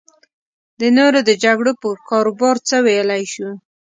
د نورو د جګړو پر کاروبار څه ویلی شو.